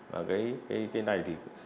và cái này thì